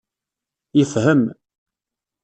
Yefhem.